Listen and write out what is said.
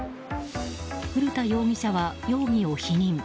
古田容疑者は容疑を否認。